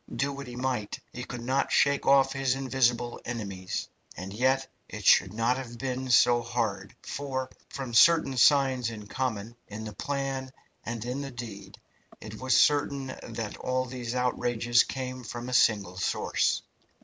Do what he might, he could not shake off his invisible enemies. And yet it should not have been so hard, for, from certain signs in common, in the plan and in the deed, it was certain that all these outrages came from a single source.